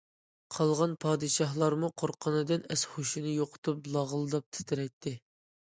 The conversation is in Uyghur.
قالغان پادىشاھلارمۇ قورققىنىدىن ئەس- ھوشىنى يوقىتىپ لاغىلداپ تىترەيتتى.